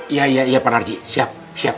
iya pak narji siap